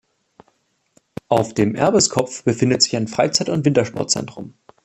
Auf dem Erbeskopf befindet sich ein Freizeit- und Wintersportzentrum.